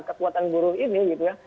ketuatan burung ini